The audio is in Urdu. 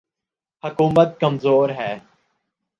حکومت کمزور ہے۔